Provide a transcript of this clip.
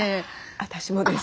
私もです。